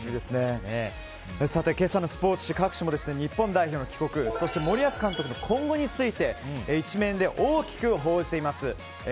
今朝のスポーツ紙各紙も日本代表の帰国そして、森保監督の今後について１面で大きく報じています。